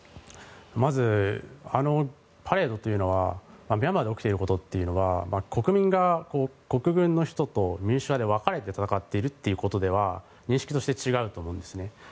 まずあのパレードというのはミャンマーで起きていることというのは国民が国軍の人と民主派で分かれて戦っているというのは認識として違うと思うんですね。